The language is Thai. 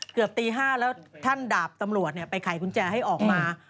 เกือบตี๕แล้วท่านดาบตำรวจไปไขกุญแจให้ออกมา